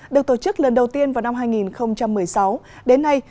được tổ chức lần đầu tiên vào năm hai nghìn một mươi sáu đến nay